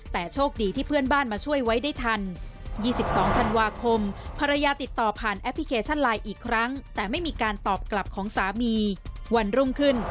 แต่โชคดีที่เพื่อนบ้านมาช่วยไว้ได้ทัน